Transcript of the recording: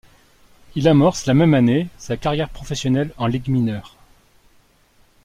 Il amorce la même année sa carrière professionnelle en ligues mineures.